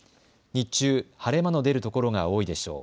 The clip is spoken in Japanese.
日中、晴れ間の出る所が多いでしょう。